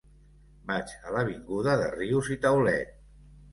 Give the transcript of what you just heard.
Vaig a l'avinguda de Rius i Taulet.